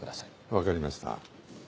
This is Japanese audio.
分かりました。